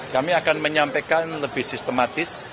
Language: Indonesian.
kami akan menyampaikan lebih sistematis